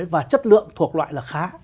và chất lượng thuộc loại là khá